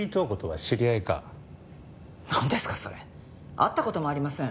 会った事もありません。